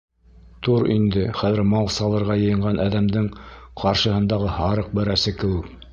Тор инде хәҙер мал салырға йыйынған әҙәмдең ҡаршыһындағы һарыҡ бәрәсе кеүек.